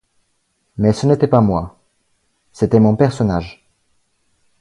Mais ce n’était pas moi : c’était mon personnage.